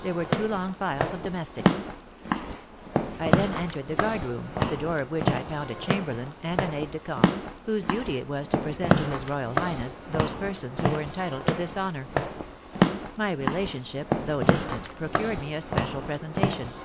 There were two long files of domestics. I then entered the guard room, at the door of which I found a chamberlain and an aide de camp, whose duty it was to present to his royal highness those persons who were entitled to this honour. My relationship, though distant, procured me a special presentation.